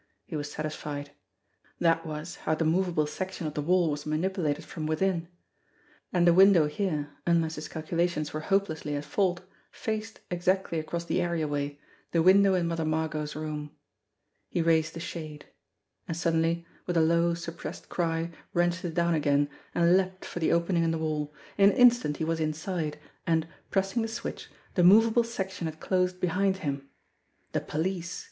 He was satisfied. That was how the movable section of the wall was manipulated from within. And the window here, unless his calculations were hopelessly at fault, faced, exactly across the areaway, the window in Mother Margot's room. He raised the shade and suddenly, with a low, suppressed cry, wrenched it down again, and leaped for the opening in the wall. In an instant he was inside, and, pressing the switch, the movable section had closed behind him. The police